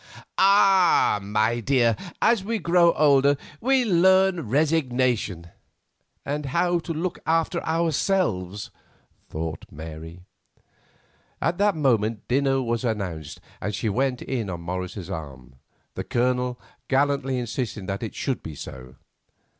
"Ah! my dear, as we grow older we learn resignation——" "And how to look after ourselves," thought Mary. At that moment dinner was announced, and she went in on Morris's arm, the Colonel gallantly insisting that it should be so.